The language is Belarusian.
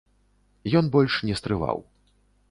Ён больш не стрываў.